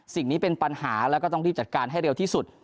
สิ่งนี้เป็นปัญหาแล้วก็ต้องรีบจัดการให้เร็วที่สุด